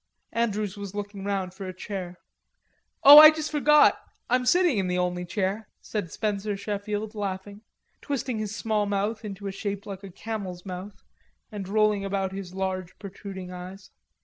Andrews was looking round for a chair. "Oh, I just forgot. I'm sitting in the only chair," said Spencer Sheffield, laughing, twisting his small mouth into a shape like a camel's mouth and rolling about his large protruding eyes.